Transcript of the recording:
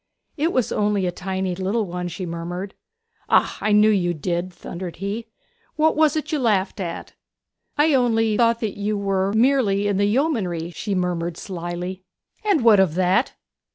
'It was only a tiny little one,' she murmured. 'Ah I knew you did!' thundered he. 'Now what was it you laughed at?' 'I only thought that you were merely in the yeomanry,' she murmured slily. 'And what of that?'